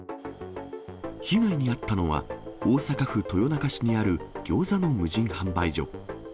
被害に遭ったのは、大阪府豊中市にあるギョーザの無人販売所。